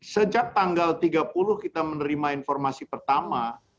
sejak tanggal tiga puluh kita menerima informasi pertama